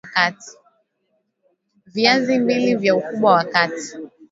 Viazi mbili vya ukubwa wa kati